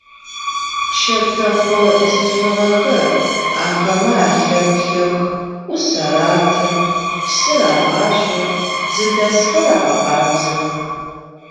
Чэтэхъо бзылъфыгъэхэр ахэмэ алъэплъэх, ӏус араты, псы рагъашъох, зыдэсхэр агъэкъабзэх.